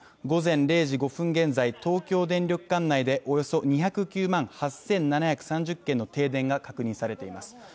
午前０時５分現在東京電力管内でおよそ２０９万８７３０軒の停電が確認されています。